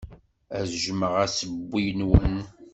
Ad jjmeɣ assewwi-nwen.